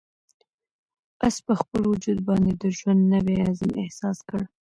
آس په خپل وجود باندې د ژوند نوی عزم احساس کړ.